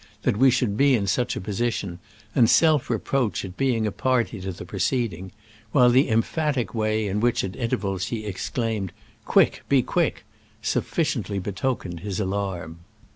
that we should be in such a position, and self reproach at being a party to the proceeding ; while the emphatic way in which, at intervals, he exclaimed, 'Quick! be quick!' sufficiently betoken ed his alarm."